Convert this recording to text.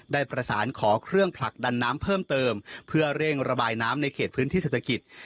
ได้ประสานขอเครื่องผลักดันน้ำเพิ่มเติมเพื่อเร่งระบายน้ำในเขตพื้นที่เศรษฐกิจ